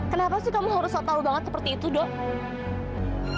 kenapa sih kamu harus tahu banget seperti itu dok